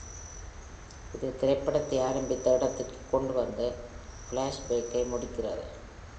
இது திரைப்படத்தை ஆரம்பித்த இடத்திற்கு கொண்டு வந்து, ஃப்ளாஷ்பேக்கை முடிக்கிறது.